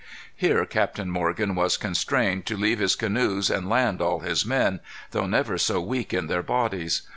"Here Captain Morgan was constrained to leave his canoes and land all his men, though never so weak in their bodies.